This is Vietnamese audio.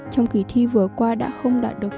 trong kỳ thi vừa qua đã không đạt được